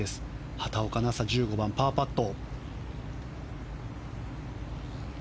畑岡奈紗１５番、パーパット。